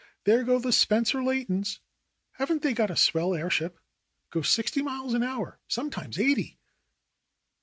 "There go the Spencer Leightons. Haven't they got a swell airship? It goes sixty miles an hour, sometimes eighty."